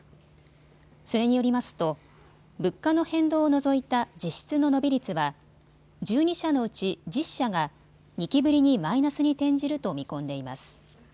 それによりますと物価の変動を除いた実質の伸び率は１２社のうち１０社が２期ぶりにマイナスに転じると見込んでいます。